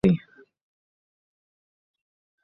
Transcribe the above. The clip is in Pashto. ژبه د انسان شخصیت ښيي.